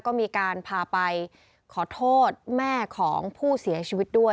ก็มีการพาไปขอโทษแม่ของผู้เสียชีวิตด้วย